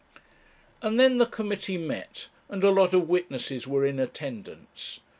And then the committee met, and a lot of witnesses were in attendance.